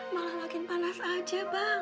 malah makin panas aja bang